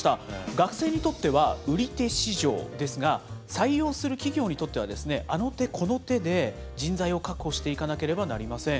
学生にとっては売手市場ですが、採用する企業にとっては、あの手この手で人材を確保していかなければなりません。